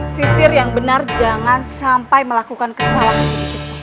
sisir yang benar jangan sampai melakukan kesalahan sedikit